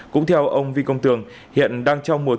cũng theo ông vy công tường hiện đang trong một kế hoạch